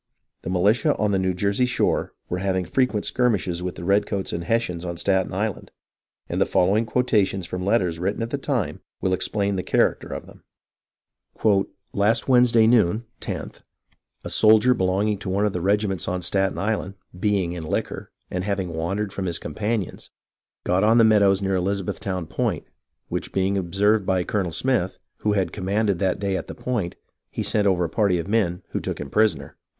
The militia on THE STRUGGLE ON LONG ISLAND IO9 the Jersey shore were having frequent skirmishes with the redcoats and Hessians on Staten Island, and the following quotations from letters written at the time will explain the character of them :" Last Wednesday noon [loth] a soldier belonging to one of the regiments on Staten Island, being in liquor, and having wandered from his companions, got on the meadows near Elizabethtown Point, which being observed by Colonel Smith, who had the command that day at the Point, he sent over a party of men who took him prisoner."